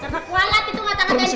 serpuk walet itu ngatakan ngatain giki